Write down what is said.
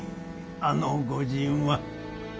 あの御仁は。